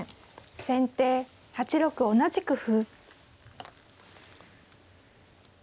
先手８六同じく歩。